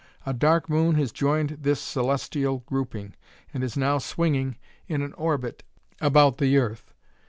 A dark moon has joined this celestial grouping, and is now swinging in an orbit about the earth.